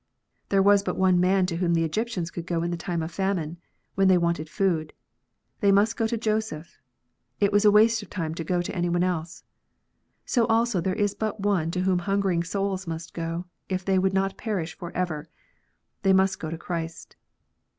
There was but one man to whom the Egyptians could go in the time of famine, when they wanted food. They must go to Joseph : it was a waste of time to go to any one else. So also there is but One to whom hungering souls must go, if they would not perish for ever : they must go to Christ.